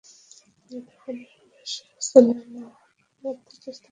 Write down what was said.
যদি কোন বেশ্যার ছেলে না হয়ে থাকিস, তবে মেরে দেখা।